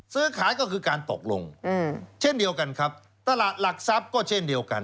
ซื้อขายก็คือการตกลงเช่นเดียวกันครับตลาดหลักทรัพย์ก็เช่นเดียวกัน